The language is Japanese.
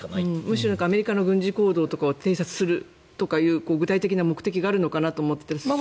むしろアメリカの軍事行動を偵察するとかいう具体的な目的があるのかなと思ったら。